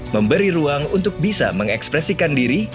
memberi ruang untuk bisa mengekspresikan diri